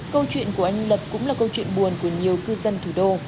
câu chuyện của anh lập cũng là câu chuyện buồn của nhiều cư dân thủ đô